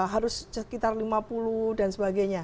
harus sekitar lima puluh dan sebagainya